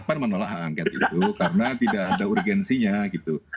pan menolak hak angket itu karena tidak ada urgensinya gitu